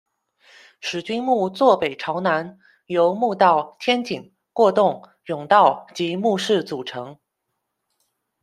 史君墓坐北朝南，由墓道、天井、过洞、甬道及墓室组成。